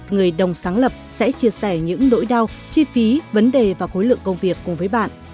người đồng sáng lập sẽ chia sẻ những nỗi đau chi phí vấn đề và khối lượng công việc cùng với bạn